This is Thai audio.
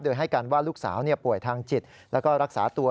โดยให้การว่าลูกสาวป่วยทางจิตแล้วก็รักษาตัว